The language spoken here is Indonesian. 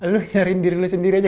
lu nyariin diri lu sendiri aja